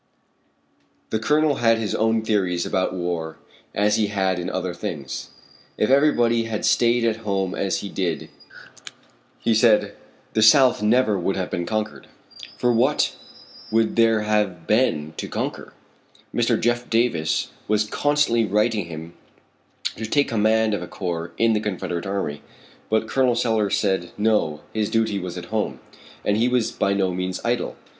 The Colonel had his own theories about war as he had in other things. If everybody had stayed at home as he did, he said, the South never would have been conquered. For what would there have been to conquer? Mr. Jeff Davis was constantly writing him to take command of a corps in the confederate army, but Col. Sellers said, no, his duty was at home. And he was by no means idle.